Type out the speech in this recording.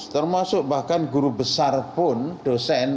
termasuk bahkan guru besar pun dosen